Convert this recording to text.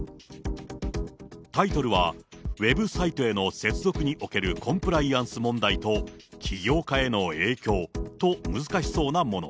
タイトルは、ウェブサイトへの接続におけるコンプライアンス問題と起業家への影響と難しそうなもの。